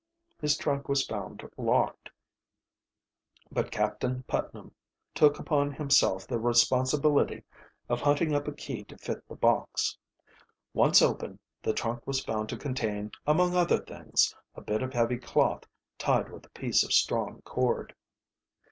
His trunk was found locked, but Captain Putnam took upon himself the responsibility of hunting up a key to fit the box. Once open the trunk was found to contain, among other things, a bit of heavy cloth tied with a piece of strong cord.